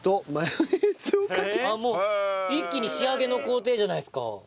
あっもう一気に仕上げの工程じゃないですか。